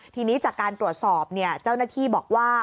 ทีนี้จากการตรวจสอบเจ้าหน้าที่บอกว่า